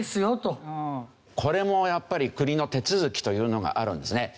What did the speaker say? これもやっぱり国の手続きというのがあるんですね。